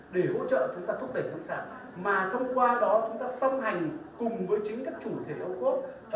để hỗ trợ chúng ta thúc đẩy bán sản mà thông qua đó chúng ta xong hành cùng với chính các chủ thể ocob